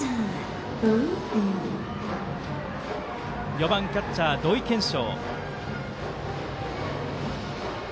４番、キャッチャーの土井研照。